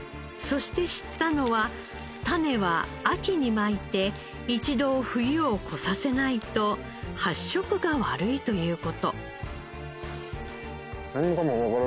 そして知ったのは種は秋にまいて一度冬を越させないと発色が悪いという事。